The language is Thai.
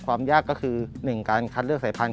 ความยากก็คือ๑การคัดเลือกสายพันธ